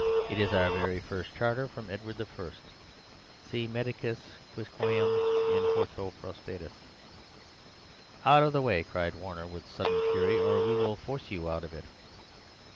It's in our very first charter from Edward I: 'Si medicus quisquam in horto prostratus—'" "Out of the way!" cried Warner with sudden fury, "or we will force you out of it."